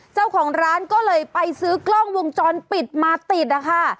เจ้าของร้านก็เลยไปซื้อกล้องวงจรปิดมาติดนะคะ